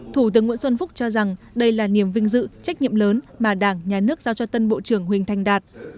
thủ tướng nguyễn xuân phúc cho rằng đây là niềm vinh dự trách nhiệm lớn mà đảng nhà nước giao cho tân bộ trưởng huỳnh thành đạt